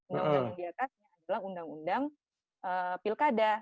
undang undang yang diatasnya adalah undang undang pilkada